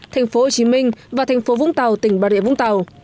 thành phố hồ chí minh và thành phố vũng tàu tỉnh bà rịa vũng tàu